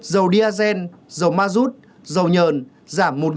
dầu diagen dầu mazut dầu nhờn